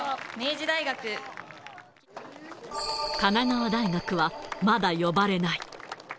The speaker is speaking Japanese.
神奈川大学はまだ呼ばれない。